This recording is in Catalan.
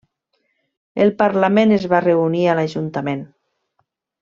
El Parlament es va reunir a l'ajuntament.